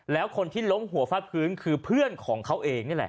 แล้วคนที่ล้มหัวฟาดพื้นคือเพื่อนของเขาเองนี่แหละ